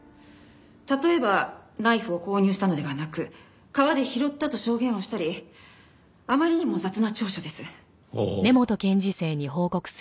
例えばナイフを購入したのではなく川で拾ったと証言をしたりあまりにも雑な調書です。